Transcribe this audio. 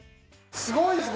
すごいですね